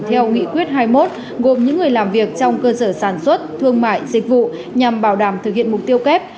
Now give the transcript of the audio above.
theo nghị quyết hai mươi một gồm những người làm việc trong cơ sở sản xuất thương mại dịch vụ nhằm bảo đảm thực hiện mục tiêu kép